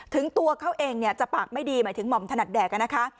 ถึงตัวเขาเองจะปากไม่ดีหมายถึงหม่อมถนัดแดกนะคะ